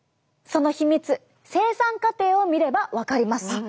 その秘密生産過程を見れば分かります。